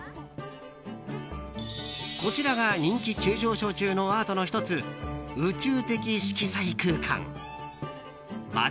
こちらが人気急上昇中のアートの１つ宇宙的色彩空間。